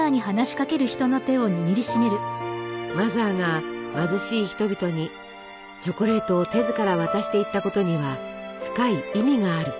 マザーが貧しい人々にチョコレートを手ずから渡していったことには深い意味がある。